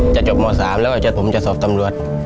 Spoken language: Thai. จบม๓แล้วก็ผมจะสอบตำรวจ